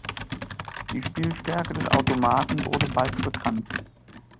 Die Spielstärke des Automaten wurde bald bekannt.